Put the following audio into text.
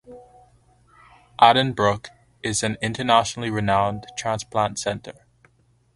Addenbrooke's is an internationally renowned transplant centre.